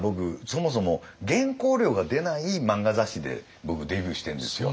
そもそも原稿料が出ない漫画雑誌で僕デビューしてんですよ。